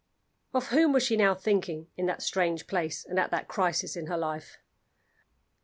Of whom was she now thinking, in that strange place, and at that crisis in her life?